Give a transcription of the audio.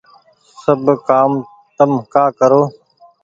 سب ڪآم تم ڪآ ڪرو